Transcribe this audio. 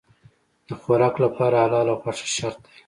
د خوراک لپاره حلاله غوښه شرط دی.